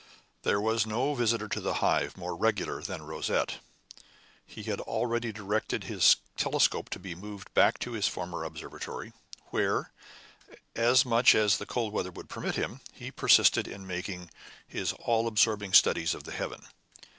There was no visitor to the Hive more regular than Rosette. He had already directed his telescope to be moved back to his former observatory, where, as much as the cold would permit him, he persisted in making his all absorbing studies of the heavens.